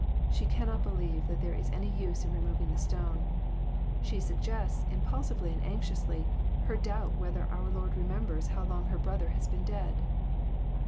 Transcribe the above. She cannot believe that there is any use in removing the stone. She suggests, impulsively and anxiously, her doubt whether our Lord remembers how long her brother has been dead.